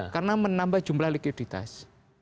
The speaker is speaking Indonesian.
karena menambah jumlah likuiditas